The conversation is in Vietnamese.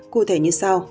cụ thể như sau